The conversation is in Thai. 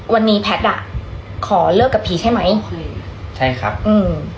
วันนี้แพทย์อ่ะขอเลิกกับผีใช่ไหมใช่ครับอืม